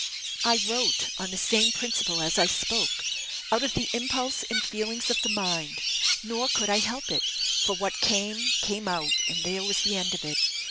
I wrote on the same principle as I spoke out of the impulse and feelings of the mind; nor could I help it, for what came, came out, and there was the end of it.